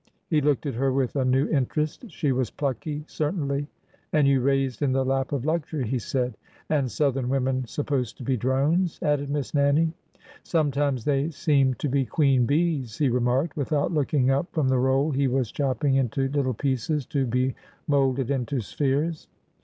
He looked at her with a new interest. She was plucky, certainly. And you raised in the lap of luxury !" he said. And Southern women supposed to be drones," added Miss Nannie. Sometimes they seem to be queen bees," he remarked, without looking up from the roll he was chopping into little pieces to be molded into spheres.